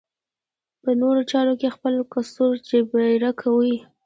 په نورو چارو کې خپل قصور جبېره کوي.